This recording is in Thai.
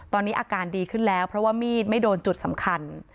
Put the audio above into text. ตอนนี้อาการดีขึ้นแล้วเพราะว่ามีดไม่โดนจุดสำคัญ